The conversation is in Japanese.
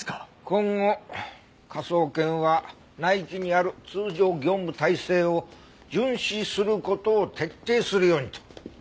「今後科捜研は内規にある通常業務体制を遵守することを徹底するように」と。